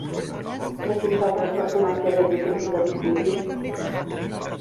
De quins altres personatges és difícil de distingir?